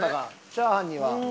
チャーハンには。